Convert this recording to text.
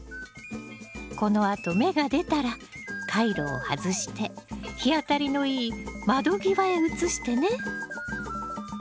このあと芽が出たらカイロを外して日当たりのいい窓際へ移してね。